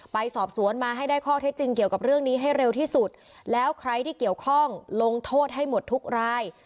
ไปสอบสวนมาให้ได้ข้อเท็จจริงเกี่ยวกับเรื่องนี้ให้เร็วที่สุดแล้วใครที่เกี่ยวข้องลงโทษให้หมดทุกราย